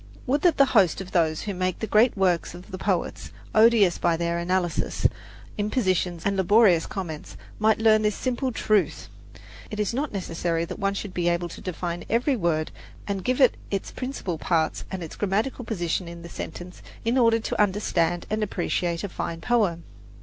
Would that the host of those who make the great works of the poets odious by their analysis, impositions and laborious comments might learn this simple truth! It is not necessary that one should be able to define every word and give it its principal parts and its grammatical position in the sentence in order to understand and appreciate a fine poem.